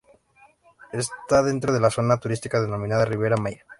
Está dentro de la zona turística denominada "Riviera Maya".